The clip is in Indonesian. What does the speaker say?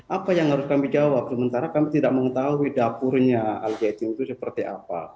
apa yang harus kami jawab sementara kami tidak mengetahui dapurnya al zaitun itu seperti apa